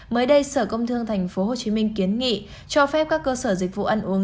mới đây sở công thương tp hcm kiến nghị cho phép các cơ sở dịch vụ ăn uống